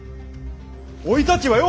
おいたちはよ！